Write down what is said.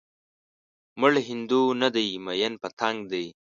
مړ هندو نه دی ميئن پتنګ دی